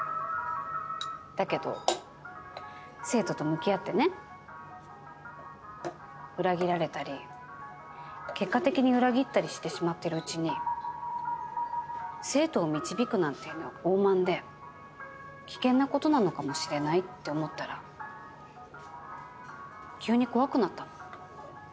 だけど生徒と向き合ってね裏切られたり結果的に裏切ったりしてしまってるうちに生徒を導くなんていうのは傲慢で危険なことなのかもしれないって思ったら急に怖くなったの。